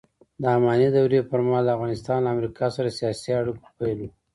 د اماني دورې پرمهال افغانستان له امریکا سره سیاسي اړیکو پیل و